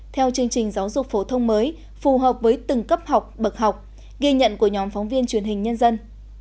theo chương trình giáo dục phổ thông mới phù hợp với từng cấp học bậc học ghi nhận của nhóm phóng viên truyền hình nhân dân